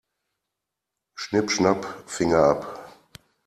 Schnipp-schnapp, Finger ab.